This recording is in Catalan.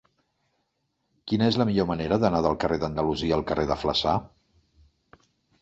Quina és la millor manera d'anar del carrer d'Andalusia al carrer de Flaçà?